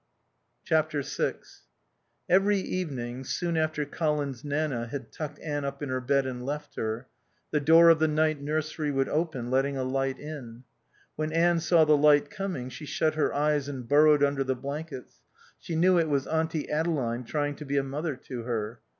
vi Every evening, soon after Colin's Nanna had tucked Anne up in her bed and left her, the door of the night nursery would open, letting a light in. When Anne saw the light coming she shut her eyes and burrowed under the blankets, she knew it was Auntie Adeline trying to be a mother to her.